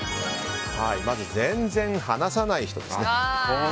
まず全然話さない人ですね。